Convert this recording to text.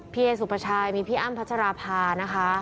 เอสุปชายมีพี่อ้ำพัชราภานะคะ